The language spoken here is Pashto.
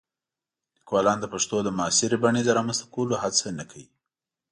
لیکوالان د پښتو د معاصرې بڼې د رامنځته کولو هڅه نه کوي.